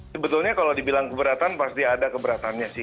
sebetulnya kalau dibilang keberatan pasti ada keberatannya sih